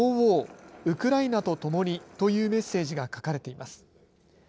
ウクライナとともにというメッセージが書かれています。